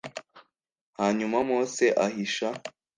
Hanyuma mose ahisha